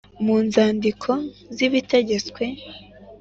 mu nzandiko z’ibitegetswe